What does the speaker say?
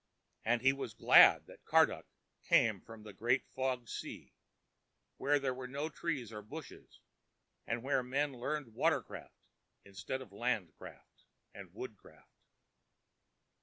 And he was glad that Karduk came from the Great Fog Sea, where there were no trees or bushes, and where men learned water craft instead of land craft and wood craft.